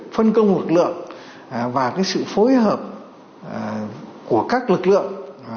phân công lực lượng và sự phối hợp của các lực lượng